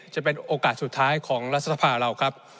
จะเป็นโอกาสสุดท้ายของรัฐสภาเราครับ